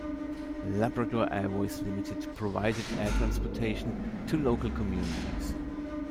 Labrador Airways Limited provided air transportation to local communities.